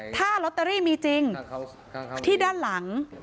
ถ้าลอตเตอรี่มีจริงที่ด้านหลัง